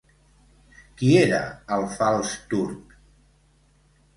Qui era el fals turc?